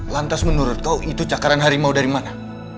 lantas menurut kau itu cakaran harimau dari mana